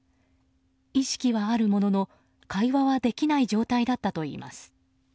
意識はあるものの、会話はできない状態だったといいます。